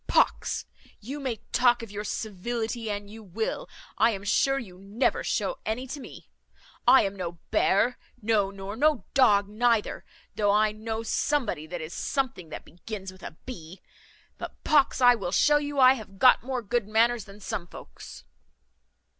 "Pox! you may talk of your civility an you will, I am sure you never shew any to me. I am no bear, no, nor no dog neither, though I know somebody, that is something that begins with a b; but pox! I will show you I have got more good manners than some folks."